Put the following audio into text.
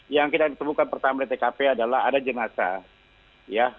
yang kita temukan pertama di tkp adalah ada jenazah